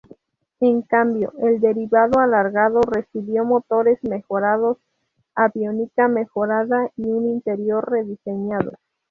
En cambio, el derivado alargado recibió motores mejorados, aviónica mejorada y un interior rediseñado.